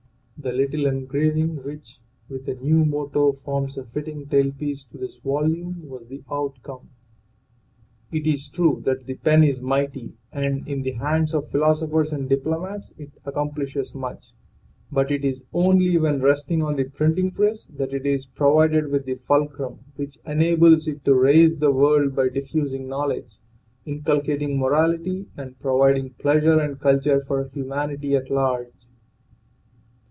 The little engraving which, with a new motto, forms a fitting tailpiece to this volume, was the outcome. It is true that the pen is mighty, and in the hands of philosophers and diplomats it accomplishes much, but it is only when resting on the printing press that it is provided with that fulcrum which enables it to raise the world by diffusing knowledge, inculcating morality, and providing pleasure and culture for humanity at large.